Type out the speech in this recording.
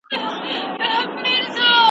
هغه د اولادونو د راتلونکي لپاره پلان جوړوي.